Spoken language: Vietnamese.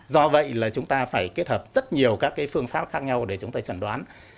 do vậy là chúng ta phải kết hợp rất nhiều các phương pháp khác nhau để chúng ta chẳng đoán